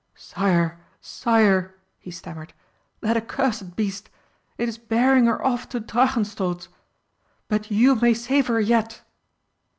"Sire, Sire!" he stammered, "that accursed beast! It is bearing her off to Drachenstolz! But you may save her yet!"